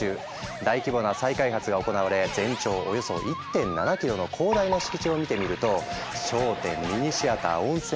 大規模な再開発が行われ全長およそ１．７キロの広大な敷地を見てみるとさまざま。